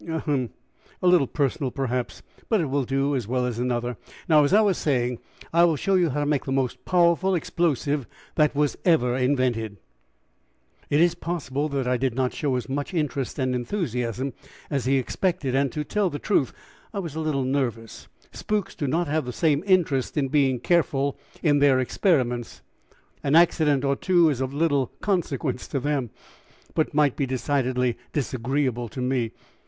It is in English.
"Ahem! a little personal, perhaps, but it will do as well as another. Now, as I was saying, I will show you how to make the most powerful explosive that was ever invented." It is possible that I did not show as much interest and enthusiasm as he expected, and to tell the truth I was a little nervous. Spooks do not have the same interest in being careful in their experiments an accident or two is of little consequence to them, but might be decidedly disagreeable to me.